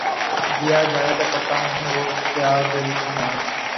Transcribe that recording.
دیا جائے تو پتا نہیں وہ کیا گل کھلائیں۔